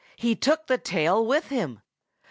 he took the tail with him!